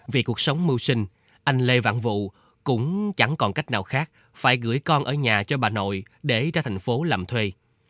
vì cuộc sống mưu sinh anh lê văn vụ cũng chẳng còn cách nào khác phải gửi con ở nhà cho bà nội để ra thành phố làm thuê